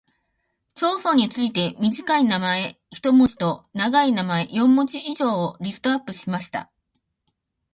町村についても短い名前（一文字）と長い名前（四文字以上）をリストアップしてみました。